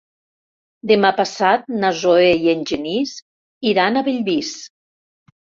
Demà passat na Zoè i en Genís iran a Bellvís.